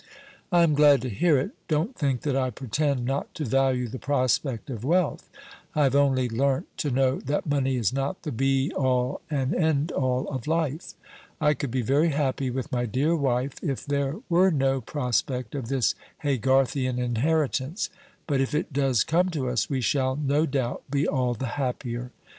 "I am glad to hear it. Don't think that I pretend not to value the prospect of wealth; I have only learnt to know that money is not the be all and end all of life. I could be very happy with my dear wife if there were no prospect of this Haygarthian inheritance; but if it does come to us, we shall, no doubt, be all the happier.